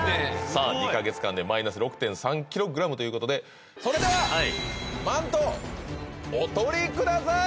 さあ２か月間でマイナス６．３ｋｇということでそれではマントをお取りください！